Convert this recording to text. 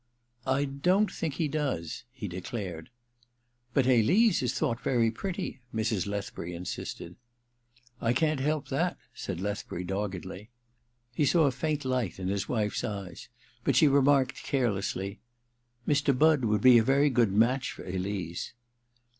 *I don't think he does,' he declared. *But Elise is thought very pretty,' Mrs. Lethbury insisted. * I can't help that,* said Lethbury doggedly. He saw a faint light in his wife's eyes ; but she remarked carelessly :* Mr. Budd would be a very good match for Elise.'